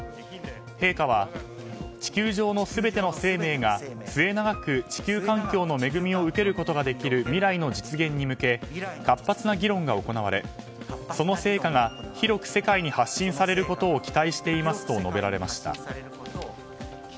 陛下は、地球上の全ての生命が末永く地球環境の恵みを受けることができる未来の実現に向け活発な議論が行われその成果が広く世界に発信されることを期待していますと述べられました。